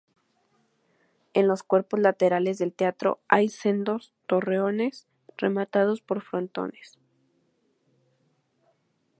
En los cuerpos laterales del Teatro hay sendos torreones rematados por frontones.